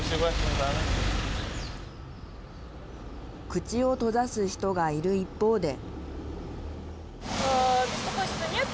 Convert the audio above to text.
口を閉ざす人がいる一方で。